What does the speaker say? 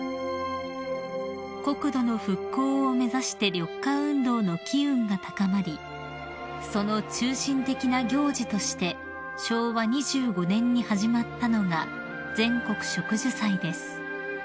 ［国土の復興を目指して緑化運動の気運が高まりその中心的な行事として昭和２５年に始まったのが全国植樹祭です］